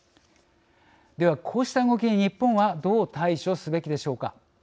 では、こうした動きに日本はどう対処すべきでしょうか。